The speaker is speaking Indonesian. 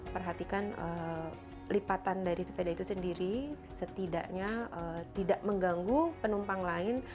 perhatikan lipatan dari sepeda itu sendiri setidaknya tidak mengganggu penumpang lain